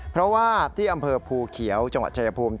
เพราะว่าที่อำเภอภูเขียวจังหวัดชายภูมิ